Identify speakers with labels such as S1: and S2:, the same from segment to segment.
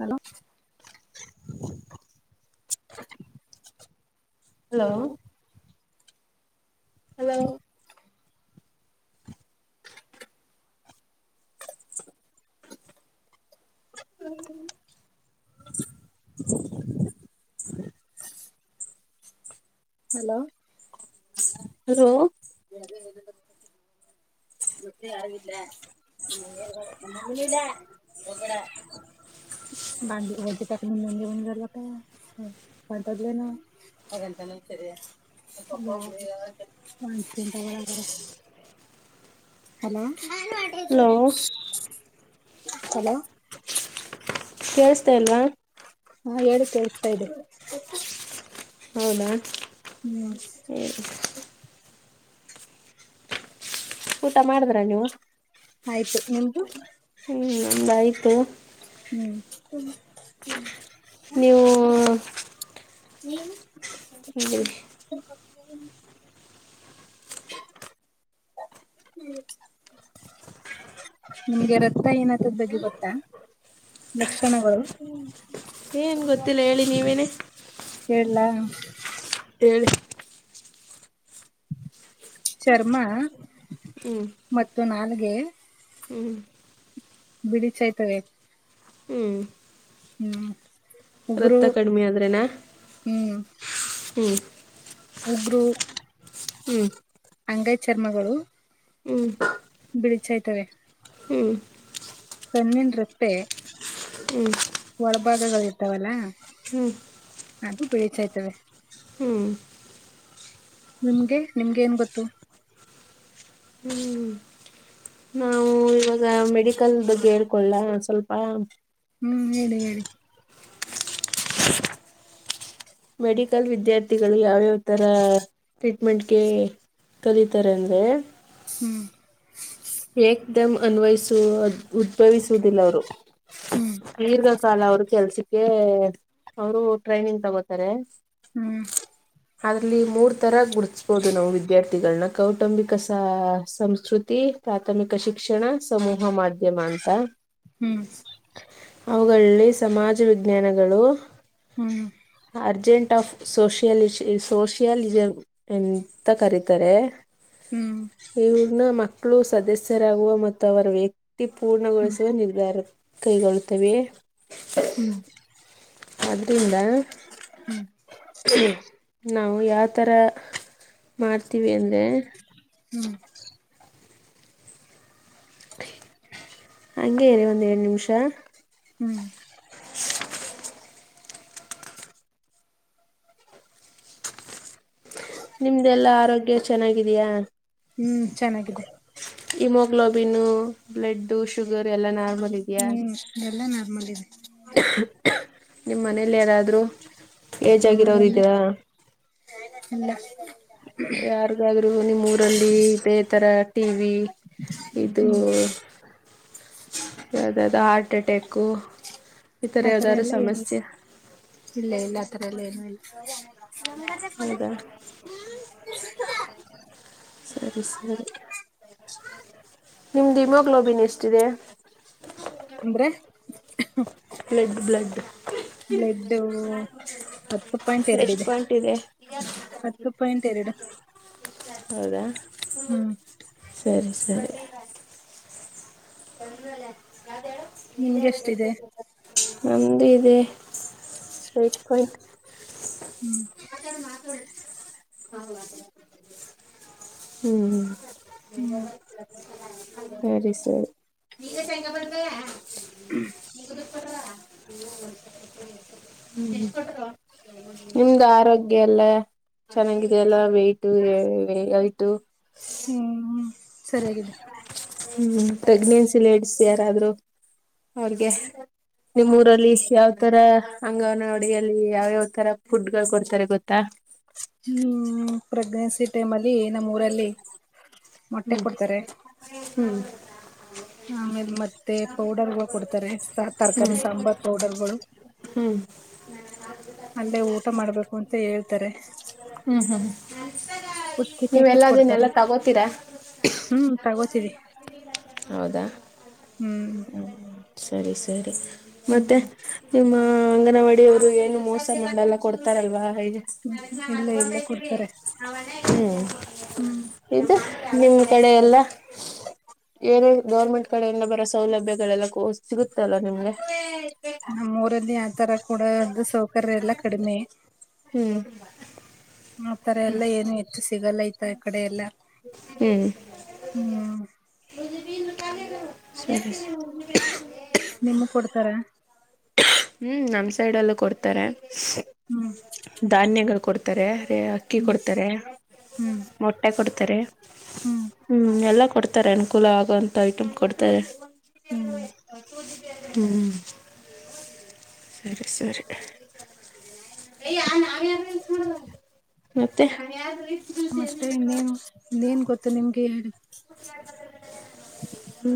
S1: Hello
S2: hello hello
S1: [unintelligible]
S2: [unintelligible]
S1: hello
S2: hello
S1: ಅದೆ ಅದ್ ಎದ್ ಬರುತ್ ಮುತ್ತಿ ಆಗಿಲ್ಲ [unintelligible] ಚಂತವಾಳಬರ ಹಲೋ
S2: ಹಲೋ
S1: ಹಲೋ
S2: ಕೇಳ್ಸ್ತಾ ಇಲ್ವಾ
S1: ಹಾ ಹೇಳು ಕೇಳಸ್ತಾ ಇದೆ
S2: ಹೌದಾ
S1: ಹ್ಮ
S2: ಊಟ ಮಾಡಿದ್ರ ನೀವು
S1: ಆಯ್ತು ನಿಮ್ದು
S2: ಹ್ಮ್ ನಮ್ದ್ ಆಯ್ತು
S1: ಹ್ಮ್ [unintelligible]
S2: ನೀವು
S1: ನೀನ್
S2: [unintelligible]
S1: [unintelligible] ನಿಮ್ಗೆ ರಕ್ತ ಏನಾತದ್ ಬಗ್ಗೆ ಗೊತ್ತಾ, ಲಕ್ಷಣಗಳು?
S2: ಏನ್ ಗೊತ್ತಿಲ್ಲ ಹೇಳಿ ನೀವೇನೆ
S1: ಹೇಳ್ಳಾ?
S2: ಏಳು
S1: ಚರ್ಮಾ
S2: ಹ್ಮ್
S1: ಮತ್ತು ನಾಲೆ ಎ
S2: ಹ್ಮ್
S1: ಬಿಡಿ ಚೈ ತವೇ
S2: ಹ್ಮ್
S1: ಹ್ಮ್ ಉಗುರು
S2: ರಕ್ತ ಕಡಿಮೆ ಆದ್ರೆನಾ ಹ್ಮ್
S1: ಒಬ್ರು
S2: ಹ್ಮ್
S1: ಅಂಗೈ ಚರ್ಮಗಳು
S2: ಹ್ಮ್
S1: ಬಿಳಿಚಾಯ್ತವೇ.
S2: ಹ್ಮ್
S1: ಕಣ್ಣಿನ್ ರೆಪ್ಪೆ ಒಳ್ ಭಾಗಗಳ್ ಇರ್ತಾವಲ್ಲ,
S2: ಹ್ಮ್ ಹ್ಮ್
S1: ಅದು ಬಿಳೀಚಾಯ್ತವೆ.
S2: ಹ್ಮ್
S1: ನಿಮ್ಗೆ ನಿಮ್ಗೆ ಏನ್ ಗೊತ್ತು.
S2: ಹ್ಮ್ ಆ ಮೆಡಿಕಲ್ ಬಗ್ಗೆ ಹೇಳ್ಕೊಳ್ಳಾ ಒಂದ್ ಸ್ವಲ್ಪ.
S1: ಹ್ಮ್ ಹೇಳಿ ಹೇಳಿ
S2: ಮೆಡಿಕಲ್ ವಿದ್ಯಾರ್ಥಿಗಳು ಯಾವ್ಯಾವ ತರ ಟ್ರೀಟ್ಮೆಂಟ್ಗೆ ಕಲಿತಾರೆ ಅಂದ್ರೆ
S1: ಹ್ಮ್
S2: ಏಕ್ ದಮ್ ಅನ್ವಯಿಸುವ್ ಉದ್ಭವಿಸುವುದಿಲ್ಲ ಅವರು
S1: ಹ್ಮ್
S2: ಕರ್ಗ ಕಾಲ ಅವರು ಕೆಲ್ಸಕ್ಕೆ ಅವರು ಟ್ರೈನಿಂಗ್ ತಗೋತಾರೆ
S1: ಹ್ಮ್
S2: ಅದ್ರಲ್ಲಿ ಮೂರ್ ತರ ಗುಡಿಸಬೋದು ನಾವು ವಿದ್ಯಾರ್ಥಿಗಳನ್ನ ಕೌಟುಂಬಿಕ ಸಂಸ್ಕೃತಿ ಪ್ರಾಥಮಿಕ ಶಿಕ್ಷಣ ಸಮಮೂಹ ಮಾಧ್ಯಮ ಅಂತ.
S1: ಹ್ಮ್
S2: ಅವುಗಳಲ್ಲಿ ಸಮಾಜ ವಿಜ್ಞಾನಗಳು
S1: ಹ್ಮ್ ಹ್ಮ್
S2: ಅರ್ಜೆಂಟ ಆಫ್ ಸೋಷಿಯಾಲ ಸೋಷಿಯಾಲಿಸಂ ಎಂತ ಕರೀತಾರೆ
S1: ಹ್ಮ್
S2: ಇವ ನ ಮಕ್ಕ ಮಕ್ಕಳು ಸದಸ್ಯರಾಗುವ ಮತ್ತು ಅವರ ವ್ಯಕ್ತಿ. ತಿ
S1: ಹ್ಮ್
S2: ಪೂರ್ಣಗೊಳಿಸುವ ನಿರ್ಧಾರ ಕೈಗಳ್ತವೆ.
S1: ಹ್ಮ್
S2: ಅದರಿಂದ
S1: ಹ್ಮ್
S2: ನಾವು ಯಾವ ಥರ ಮಾಡ್ತೀವಿ ಅಂದರೆ
S1: ಹ್ಮ್
S2: ಹಂಗೇ ರೀ ಒಂದ್ ಎರಡ್ ನಿಮಿಷ
S1: ಹ್ಮ್
S2: [unintelligible] ನೀ ಚೆನ್ನಾಗಿದೀಯಾ
S1: ಹ್ಮ್ ಚೆನ್ನಾಗಿದೆ
S2: ಇಮೋಗ್ಲೋಬಿನ್ ಬ್ಲಡ್ ಶುಗರ್ ಎಲ್ಲ ನಾರ
S1: ಹ್ಮ್ ಇದೆಲ್ಲಾ ನಾರ್ಮಲ್ ಇದೆ
S2: ನಿಮ ಮನೇಲಿ ಯಾರಾದ್ರೂ ಏಜ್ ಆಗರ ಅವರು
S1: ನಮ್ಮದೆಲ್ಲ
S2: ಇಗ
S1: [unintelligible]
S2: ಯಾರಿಗಾದ್ರೂ ನಿಮ್ಮ ಊರಲ್ಲಿ ಇದೇ ತರ ಟಿ ವಿ [unintelligible] ಇದು
S1: ಹ್ಮ್
S2: ಯಾವ್ದಾದ ಹಾರ್ಟ್ ಅಟ್ಯಾಕು ಈತರ
S1: ಆತರ
S2: ಯಾವ್ದಾದ್ರು
S1: ಎಲ್ಲ ಏನು
S2: ಸಮಸ್ಯೆ
S1: ಯ
S2: ಹೌದ ಸರಿ ಸರಿ ನಿಮ್ದು ಇಮೋಗ್ಲೋಬಿನ್ ಎಷ್ಟಿದೆ.
S1: ಅಂದ್ರೆ
S2: ಬ್ಲಡ್ ಬ್ಲಡ್
S1: ಬ್ಲಡ್ಡು ಹತ್ತು ಪಾಯಿಂಟ್ ಎರಡ್,
S2: ಎಷ್ಟು
S1: ಇದೆ
S2: ಪಾಯಿಂಟ್
S1: ಹತ್ತು ಪಾಯಿಂಟ್ ಎರಡು.
S2: ಹೌದಾ
S1: ಹ್ಮ್
S2: ಸರಿ ಸರಿ [unintelligible] [unintelligible]
S1: ನಿಮ್ಗೆ ಎಷ್ಟಿದೆ
S2: ನಂದ ಇದೆ ಇಕ್ಕ [inaudible]
S1: ಹ್ಮ್
S2: [unintelligible] ಹ್ಮ [unintelligible]
S1: ಹ್ಮ್
S2: ಸರಿ ಸರಿ [unintelligible] ಮ ಎಷ್ಟ್ ಕೊಟ್ರು ನಿಮ್ದ್ ಆರೋಗ್ಯ ಎಲ್ಲ ಚೆನ್ನಾಗಿದೆಯಲ್ಲ ವೇಟು ಯ ಯ ಹೈಟು
S1: ಹ್ಮ್ ಸರಿಯಾಗಿದೆ
S2: ಹ್ಮ್ ಪ್ರೆಗ್ನೆನ್ಸಿ ಲೇಡಿಸ್ ಯಾರಾದ್ರರು ಅವ್ರಗೆ ನಿಮ್ಮ್ ಊರಲ್ಲಿ ಯಾವ್ ತರ ಅಂಗವನ್ವಾಡಿಯಲ್ಲಿ ಯಾವ್ಯಾವ ತರ ಫುಡ್ಗಳು ಕೊಡ್ತಾರ ಗೊತ್ತಾ
S1: ಹ್ಮ್ ಪ್ರೆಗ್ಏನ್ಸಿ ಟೈಮ್ ಅಲ್ ಈ ನಮ್ಮ ಊರಲ್ಲಿ ಮೊಟ್ಟೆ
S2: ಹ್ಮ್
S1: ಕೊಡ್ತಾರೆ
S2: ಹ್ಮ್
S1: ಆಮೇಲೆ ಮತ್ತೆ ಪೌಡರ್ಗಳು ಕೊಡ್ತಾರೆ ತರಕಾರಿ
S2: ಹ್ಮ್
S1: ಸಾಂಬಾರ್ ಪೌಡರ್ಗಳು
S2: ಹ್ಮ್
S1: ಅಲ್ಲೇ ಊಟ ಮಾಡ್ಬೇಕು ಅಂತ ಹೇಳ್ತಾರೆ,
S2: ಹ್ಮ್ ಹ್ಮ್
S1: ಪುಷ್ಟಿ
S2: ನೀವೆಲ್ಲ
S1: ಪ್ಯಾಕೆಟ್ ಕೊಡ್ತಾರೆ
S2: ಅದನ್ನೆಲ್ಲಾ ತಗೋತೀರಾ
S1: ಹ್ಮ್ ತಗೋತೀರಿ
S2: ಹೌದಾ
S1: ಹ್ಮ್
S2: ಸರಿ ಸರಿ
S1: ಹ್ಮ್
S2: ಮತ್ತೆ ನಿಮ್ಮ ಹ ಅಂಗನವಾಡಿಯವ್ರು ಏನು ಮೋಸ ಮಾಡಲ್ಲ ಕೊಡ್ತಾರಲ್ವಾ
S1: ಹ್ಮ್ ಇಲ್ಲ ಇಲ್ಲ ಕೊಡ್ತಾರೆ ಹ್ಮ್
S2: ಐತೆ ಕಡೆ ಎಲ್ಲ ಏನೇ ಗೌರ್ಮೆಂಟ್ ಕಡೆ ಎಲ್ಲ ಬರೋ ಸೌಲಭ್ಯಗಳೆಲ್ಲ ಸಿಗುತ್ತಲ್ಲ ನಿಮ್ಗೆ
S1: ನಮ್ಮ ಊರಲ್ಲಿ ಆತರ ಕೂಡ ದು ಸೌಕರ್ಯ ಎಲ್ಲ ಕಡಿಮೆ
S2: ಹ್ಮ್
S1: ಆತರ ಎಲ್ಲಾ ಏನು ಹೆಚ್ಚು ಸಿಗಲ್ಲ ಈ ಕಡೆ ಎಲ್ಲ
S2: ಹ್ಮ್
S1: ಹ್ಮ
S2: [unintelligible] [inaudible]
S1: ನಿಮಗೆ ಕೊಡ್ತಾರ
S2: ಹ್ಮ್ ನಮ್ ಸೈಡ್ ಅಲ್ಲೂ ಕೊಡ್ತಾರೆ
S1: ಹ್ಮ್
S2: ಧಾನ್ಯಗಳು ಕೊಡ್ [unintelligible] ತೆ ಅಕ್ಕಿ
S1: ಹ್ಮ್
S2: ಕೊಡ್ತಾರೆ
S1: ಹ್ಮ್
S2: ಮೊಟ್ಟೆ ಕೊಡ್ ತರೆ ಹ್ಮ್ ಎಲ್ಲ ಕೊಡ್ತ ಇತರೆ ಅನುಕೂಲ ಆಗೋಂತ ಐಟಮ್ ಕೊಡ್ತಾರೆ.
S1: ಹ್ಮ್
S2: ಹ್ಮ್ ಸರಿ ಸರಿ ಮತ್ತೆ
S1: ಮತ್ತೆ ಇನ್ನೇನ್ ಇನ್ನೇನ್ ಗೊತ್ತು ನಿಮ್ಗೆ ಹೇಳಿ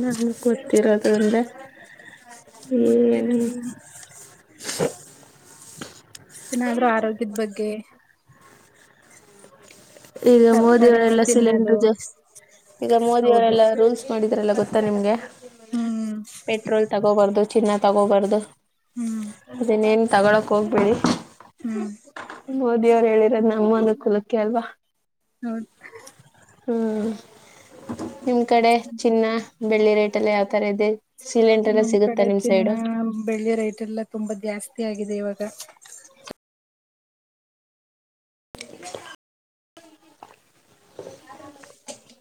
S2: ನಮಗೆ ಗೊತ್ತಿರೋದ ಅಂದೆ ಏನ
S1: ಗೊತ್ತಿರೋದು ನಾದ್ರೂ ಆರೋಗ್ಯದ ಬಗ್ಗೆ
S2: ಈಗ
S1: ತರಕಾರಿಗಳು
S2: ಮೋದಿಯವರೆಲ್ಲ
S1: ತಿನ್ನೋದು
S2: ಸಿಲಿಂಡರ್ ಜಸ್ ಈಗ
S1: ಹೌದು
S2: ಮೋದಿಯವರೆಲ್ಲ ರೂಲ್ಸ್ ಮಾಡಿದ್ರಲ್ಲ ಗೊತ್ತಾ ನಿಮ್ಗೆ
S1: ಹ್ಮ್
S2: ಪೆಟ್ರೋಲ್ ತಗೋಬಾರ್ದು ಚಿನ್ನ ತಗೋಬರ್ದು
S1: ಹ್ಮ್
S2: ಅದನೆನ್ ತಗೋಳಕೆ ಹೋಗ್ಬೇಡಿ.
S1: ಹ್ಮ್
S2: ಹೇಳಿರದ್ನಾ ನಮ್ಮ ಒಂದು ಕುಲಕ್ಕೆ ಅಲ್ವಾ
S1: ಹೌದು
S2: ಹ್ಮ್ ನಿಮ್ ಕಡೆ ಚಿನ್ನ ಬೆಳ್ಳಿ ರೇಟ್ ಎಲ್ಲ ಯಾವ್ ತರ ಇದೆ. ಸಿಲಿಂಡರ್ ಎಲ್ಲ
S1: ನಮ್
S2: ಸಿಗುತ್ತಾ
S1: ಕಡೆ
S2: ನಿಮ್
S1: ಚಿನ್ನ
S2: ಸೈಡು
S1: ಬೆಳ್ಳಿ ರೇಟ್ ಎಲ್ಲ ತುಂಬಾ ಜಾಸ್ತಿ ಆಗಿದೆ ಇವಾಗ.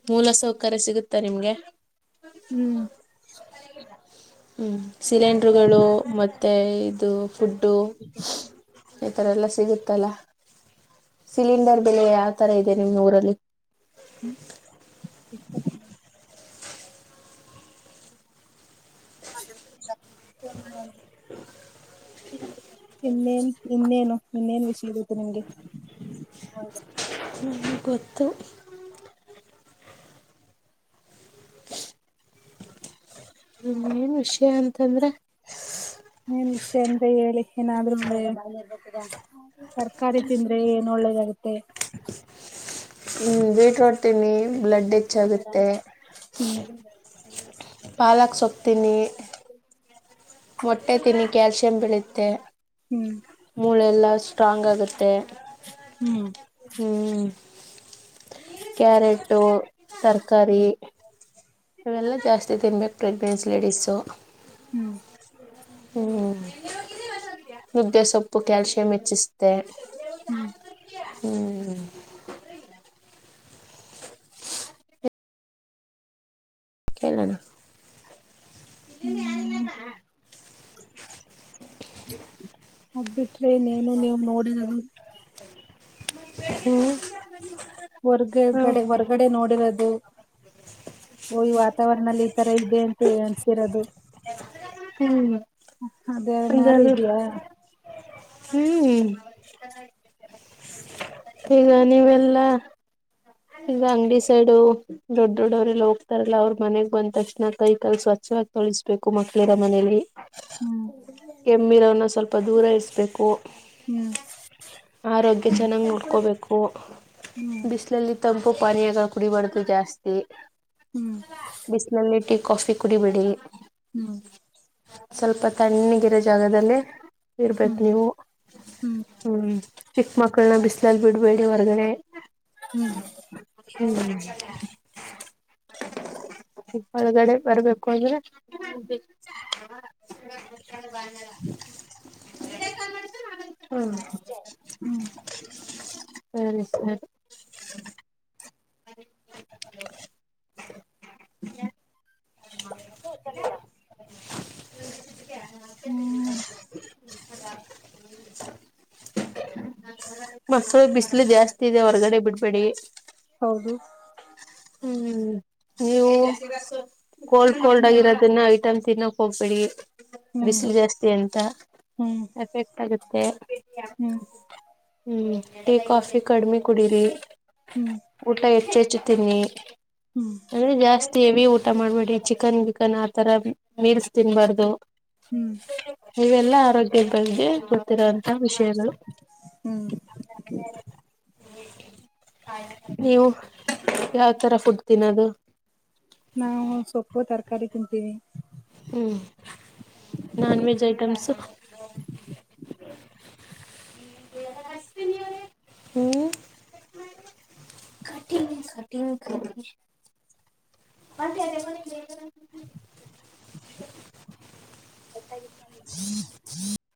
S2: ಮೂಲ ಸೌಕರ್ಯ ಸಿಗುತ್ತಾ ನಿಮ್ಗೆ?
S1: ಹ್ಮ್
S2: ಹ್ಮ್ ಸಿಲಿಂಡ್ರುಗಳು ಮತ್ತೆ ಇದು ಹುಡ್ಡೋ ಆ ತರ ಎಲ್ಲ ಸಿಗುತ್ತಲ್ಲ ಸಿಲಿಂಡರ್ ಬೆಲೆ ಯಾವ ತರ ಇದೆ ನಿಮ್ ಊರಲ್ಲಿ?
S1: [unintelligible] ಇನ್ನೇನ್ ಇನ್ನೇನು ಇನ್ನೇನ್ ವಿಷಯ ಇರುತ್ತೆ ನಿಂಗೆ
S2: ಗೊತ್ತು ಇನ್ನೇನ್ ವಿಷಯ ಅಂತಂದ್ರೆ
S1: ಏನ್ ವಿಷಯ ಅಂತ ಹೇಳಿ ಏನಾದ್ರೂಳ್ಳೆ ತರ್ಕಾರಿ ತಿಂದ್ರೆ ಏನ್ ಒಳ್ಳೇದಾಗುತ್ತೆ?
S2: ಹ್ಮ್ ಬೀಟ್ರೂಟ್ ತಿನ್ನಿ ಬ್ಲಡ್ ಹೆಚ್ಚಾಗುತ್ತೆ
S1: ಹ್ಮ್
S2: ಪಾಲಕ್ ಸೊಪ್ ತಿನ್ನಿ ಮೊಟ್ಟೆ ತಿನ್ನಿ ಕ್ಯಾಲ್ಸಿಯಂ ಬೆಳೆಯುತ್ತೆ
S1: ಹ್ಮ್
S2: ಮೂಳೆಯೆಲ್ಲಾ ಸ್ಟ್ರಾಂಗ್ ಆಗುತ್ತೆ,
S1: ಹ್ಮ್
S2: ಹ್ಮ್ ಕ್ಯಾರಟ್ಟು ತರ್ಕಾರಿ. ಇವೆಲ್ಲ ಜಾಸ್ತಿ ತಿನ್ಬೇಕು ಪ್ರೆಗ್ನೆನ್ಸಿ ಲೇಡೀಸು
S1: ಹ್ಮ್
S2: ಹ್ಮ್ ಮುದ್ದೆ ಸೊಪ್ಪು ಕ್ಯಾಲ್ಸಿಯಂ ಹೆಚ್ಚಿಸತೆೆ
S1: ಹ್ಮ್
S2: ಹ್ಮ್ ಕೇಳೋಣ
S1: ಹ್ಮ್ ಹಗ್ಬಿಟ್ರಿ ಇನ್ನೇನು ನೀವ್ ನೋಡಿರದು.
S2: ಹ್ಮ್ ಹ್ಮ್
S1: ಹೊರ್ಗಗಡೆ ಹೊರಗಡೆ ನೋಡಿರೋದು ಹಳ್ಳಿ ವಾತಾವರಣದಲ್ಲಿ ಈ ತರ ಇದೆ ಅಂತ ಹಳ್ಸಿರೋದು
S2: ಹ್ಮ್
S1: ಅದೇನಾರು
S2: ಅಂದರು
S1: ಇದ್ಯಾ.
S2: ಹ್ಮ್ ಈಗ ನೀವೆಲ್ಲಾ ಈಗ ಅಂಗಡಿ ಸೈಡು ದೊಡ್ ದೊಡ್ಡವ್ರಲ್ಲ ಹೋಗ್ತಾರಲ್ಲ ಅವ್ರ ಮನೆಗ್ ಬಂದ ತಕ್ಷಣ ಕೈ ಕಲ್ ಸ್ವಚ್ಛವಾಗಿ ತೊಳಿಸಬೇಕು ಮಕ್ಳಿರ ಮನೇಲಿ
S1: ಹ್ಮ್
S2: ಕೆಮ್ಮಿರವನ ಸ್ವಲ್ಪ ದೂರ ಇರಿಸಬೇಕು
S1: ಹ್ಮ್
S2: ಆರೋಗ್ಯ ಚೆನ್ನಾಗ್ ನೋಡ್ ಹಕೋಬೇಕು
S1: ಹ್ಮ್
S2: ಬಿಸಿಲಲ್ಲಿ ತಂಪು ಪನಯಾಗ ಕುಡಿಬಾರ್ದು ಜಾಸ್ತಿ. ಬಿಸಲಲ್ಲಿ ಟೀ ಕಾಫಿ ಕುಡಿಬೇಡಿ
S1: ಹ್ಮ್
S2: ಸ್ವಲ್ಪ ತಣ್ಣಿಗಿರೋ ಜಾಗದಲ್ಲಿ ಇರ್ಬೇಕೇ
S1: ಹ್ಮ್
S2: ನೀವು ಹ್ಮ್ ಚಿಕ್ಮಕಳನ್ನ ಬಿಸಲಿ ಲ್ಲಿ ಬಿಡ್ಬೇಡಿ ಹೊರ್ಗಡೆ
S1: ಹ್ಮ್
S2: ಹ್ಮ್ ಹೊರಗಡೆ ಬರ್ಬೇಕು ಅಂದ್ರೆ ಬಾ ಹ್ಮ
S1: ಹ್ಮ್ ಹ್ಮ್
S2: ಸರಿ ಸರಿ [unintelligible] [unintelligible]
S1: ಹ್ಮ್
S2: [unintelligible] ಮಕ್ಕಳ ಬಿಸಿಲು ಜಾಸ್ತಿ ಇದೆ ಹೊರ್ಗಡೆ ಬಿಡ್ಬೇಡಿ
S1: ಹೌದು
S2: ಹ್ಮ್ ನೀವು ಕೋಲ್ಡ್ ಕೋಲ್ಡ್
S1: ಹ್ಮ್
S2: ಆಗಿರೋದನ್ನ ಐಟಮ್ ತಿನ್ನಕ್ ಹೋಗ್ಬೇಡಿ
S1: ಹ್ಮ್
S2: ಬಿಸಿಲು ಜಾಸ್ತಿ ಅಂತ
S1: ಹ್ಮ್
S2: ಎಫೆಕ್ಟ್ ಆಗುತ್ತೆ ಹ [unintelligible]
S1: ಹ್ಮ್
S2: ಹ್ಮ್ ಟೀ ಕಾಫಿ ಕಡಿಮಿ ಕುಡೀರಿ.
S1: ಹ್ಮ್
S2: ಊಟ್ ಹೆಚ್ಚೆಚ್ ಜತೆಗ್ನೆ
S1: ಹ್ಮ್
S2: ಅಲ್ಲಿ ಜಾಸ್ತ್ ತೇವಿ ಊಟ ಮಾಡ್ಬೇಡಿ ಚಿಕನ್ ಗಿಕನ್ ಆ ತರ ಮೀಲ್ಸ್ ತಿನ್ಬಾರ್ದು.
S1: ಹ್ಮ್
S2: ಇವೆಲ್ಲ ಆರೋಗ್ಯ ಬಗೆ ಗೊತ್ತಿರುವಂತಹ ವಿಷಯಗಳು
S1: ಹ್ಮ್
S2: [inaudible] ನೀವು ಯಾವ್ತರ ಫುಡ್ ತಿನ್ನೋದು?
S1: ನಾವು ಸೊಪ್ಪು ತರಕಾರಿ ತಿಂತೀವಿ.
S2: ಹ್ಮ್ ನಾನ್ವೆೆಜ್ ಐಟಮ್ಸು? [unintelligible] ಹ್ಮ್ ಕಟ್ ಮಾಡಿ ಕಟಿಂಗ್ ಕಟಿಂಗ್ ಕ ಮತ್ತೆ ಅ [inaudible]
S1: ತೇಗಿದ್
S2: [unintelligible]